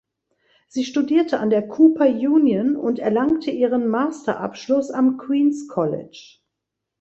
Sie studierte an der Cooper Union und erlangte ihren Masterabschluss am Queens College.